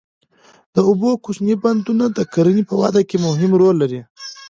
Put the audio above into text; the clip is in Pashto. د اوبو کوچني بندونه د کرنې په وده کې مهم رول لري.